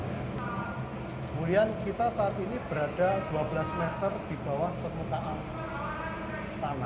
kemudian kita saat ini berada dua belas meter di bawah permukaan tanah